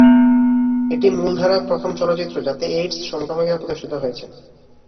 এটি মূলধারার প্রথম চলচ্চিত্র, যাতে এইডস, সমকামিতা প্রদর্শিত হয়েছে।